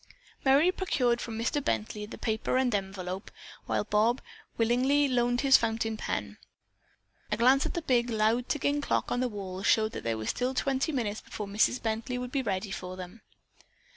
Merry procured from Mr. Bently the paper and envelope, while Bob willingly loaned his fountain pen. A glance at the big, loud ticking clock on the wall showed that there was still twenty minutes before Mrs. Bently would be ready for them.